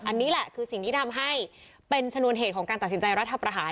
อันนี้แหละคือสิ่งที่ทำให้เป็นชนวนเหตุของการตัดสินใจรัฐประหาร